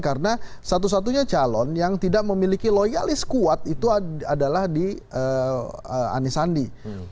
karena satu satunya calon yang tidak memiliki loyalis kuat itu adalah di anies handi